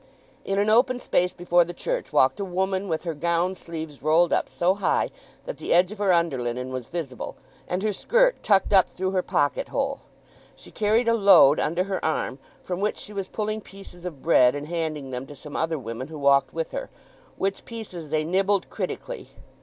In an open space before the church walked a woman with her gown sleeves rolled up so high that the edge of her underlinen was visible, and her skirt tucked up through her pocket hole. She carried a loaf under her arm from which she was pulling pieces of bread, and handing them to some other women who walked with her, which pieces they nibbled critically.